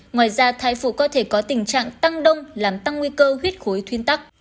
ngoài ra thai phụ có thể có tình trạng tăng đông làm tăng nguy cơ huyết khối thuyên tắc